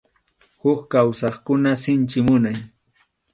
Huk kawsaqkuna sinchi munay.